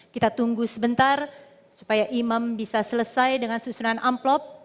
kita tunggu sebentar supaya imam bisa selesai dengan susunan amplop